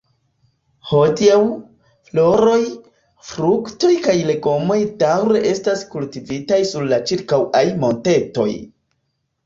Hodiaŭ, floroj, fruktoj kaj legomoj daŭre estas kultivitaj sur la ĉirkaŭaj montetoj.